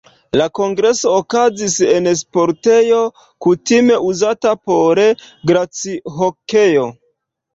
La kongreso okazis en sportejo, kutime uzata por glacihokeo.